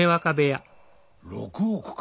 ６億か。